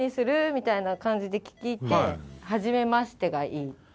みたいな感じで聞いて「初めまして」がいい。